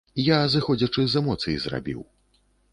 Я зыходзячы з эмоцый зрабіў.